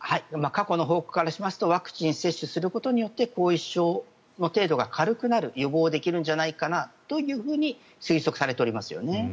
過去の報告からしますとワクチンを接種しますと後遺症の程度が軽くなる予防できるんじゃないかと推測されておりますよね。